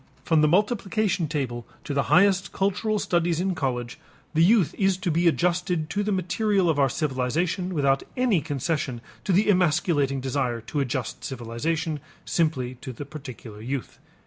From the multiplication table to the highest cultural studies in college, the youth is to be adjusted to the material of our civilization without any concession to the emasculating desire to adjust civilization simply to the particular youth.